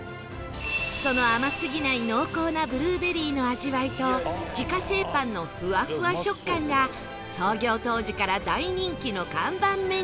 その甘すぎない濃厚なブルーベリーの味わいと自家製パンのフワフワ食感が創業当時から大人気の看板メニュー